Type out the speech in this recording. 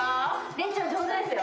礼ちゃん上手ですよ。